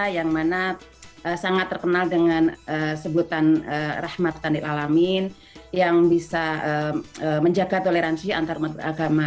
yang mana sangat terkenal dengan sebutan rahmat tandil alamin yang bisa menjaga toleransi antarumat agama